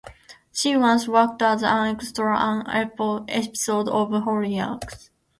She once worked as an extra on an episode of Hollyoaks.